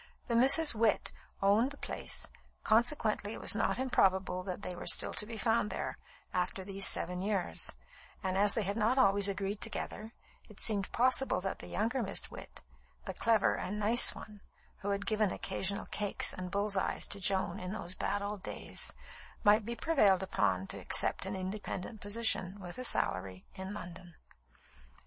The Misses Witt owned the place, consequently it was not improbable that they were still to be found there, after these seven years; and as they had not always agreed together, it seemed possible that the younger Miss Witt (the clever and nice one, who had given occasional cakes and bulls' eyes to Joan in those bad old days) might be prevailed upon to accept an independent position, with a salary, in London.